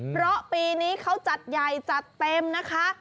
เพราะปีนี้เขาจัดใหญ่จัดเต็มนะคะ